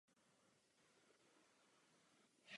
Nakonec bylo vydání posunuto cca o dva měsíce.